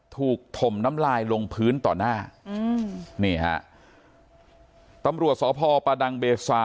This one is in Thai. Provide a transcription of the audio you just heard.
ถมน้ำลายลงพื้นต่อหน้าอืมนี่ฮะตำรวจสพประดังเบซา